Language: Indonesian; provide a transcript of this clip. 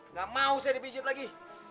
nggak mau saya dipijit lagi